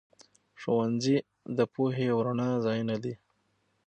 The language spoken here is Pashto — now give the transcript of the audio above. ښوونځي د پوهې او رڼا ځايونه دي.